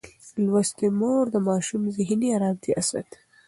لوستې مور د ماشوم ذهني ارامتیا ساتي.